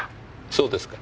そうですか。